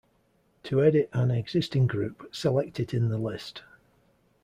To edit an existing group, select it in the list.